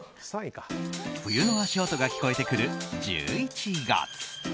冬の足音が聞こえてくる１１月。